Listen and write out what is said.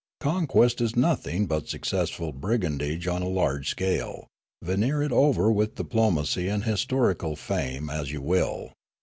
Conquest is nothing but successful brigandage on a large scale, veneer it over with diplomacy and historical fame as you will.